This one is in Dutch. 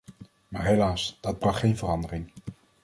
Maar helaas, dat bracht geen verandering.